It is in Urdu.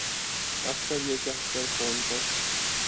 افسر یہ کہہ کر فون پر